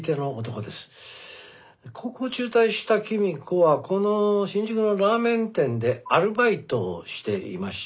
高校を中退した公子はこの新宿のラーメン店でアルバイトをしていました。